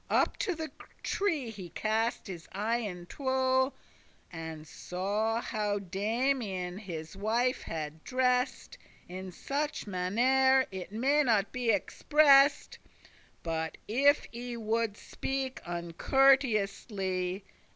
Up to the tree he cast his eyen two, And saw how Damian his wife had dress'd, In such mannere, it may not be express'd, *But if* I woulde speak uncourteously.